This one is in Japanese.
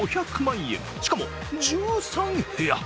しかも１３部屋！